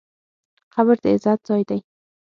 قبر د عبرت ځای دی.